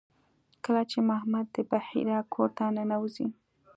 کله چې محمد د بحیرا کور ته ننوځي.